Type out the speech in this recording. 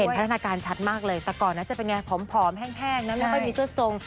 เห็นพัฒนาการชัดมากเลยแต่ก่อนจะเป็นยังไงผอมแห้งแล้วก็มีชั่วโทรง